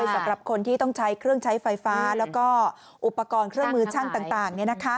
สำหรับคนที่ต้องใช้เครื่องใช้ไฟฟ้าแล้วก็อุปกรณ์เครื่องมือช่างต่าง